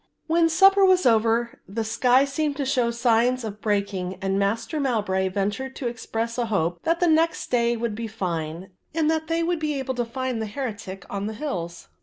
When supper was over the sky seemed to show signs of breaking and Master Mowbray ventured to express a hope that the next day would be fine, and that they would be able to find the heretic on the hills.